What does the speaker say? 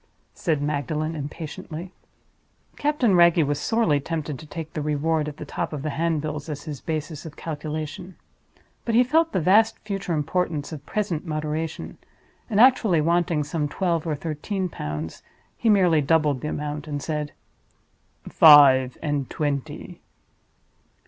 said Magdalen, impatiently. Captain Wragge was sorely tempted to take the Reward at the top of the handbills as his basis of calculation. But he felt the vast future importance of present moderation; and actually wanting some twelve or thirteen pounds, he merely doubled the amount, and said, "Five and twenty."